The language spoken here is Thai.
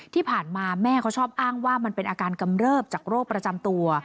ที่ผ่านมาแม่เขาชอบอ้างว่ามันเป็นอาการกำเริบจากโรคประจำตัว